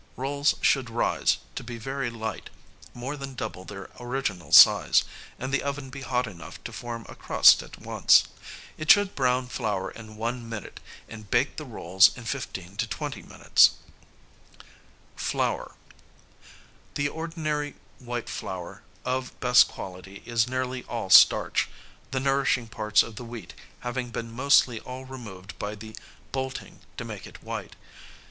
Rolls should rise, to be very light, more than double their original size, and the oven be hot enough to form a crust at once. It should brown flour in one minute and bake the rolls in fifteen to twenty minutes. [Sidenote: Flour.] The ordinary white flour of best quality is nearly all starch, the nourishing parts of the wheat having been mostly all removed by the bolting to make it white.